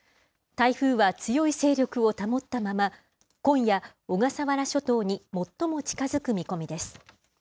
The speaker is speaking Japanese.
台風は強い勢力を保ったまま、今夜、小笠原諸島に最も近づく見込みです。